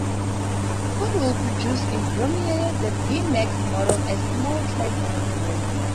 Ford will produce in Romania the B-Max model, a small class mono volume.